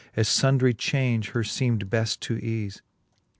As fundry chaunge her leemed beft to eafe.